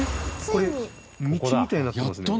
これ道みたいになってますね。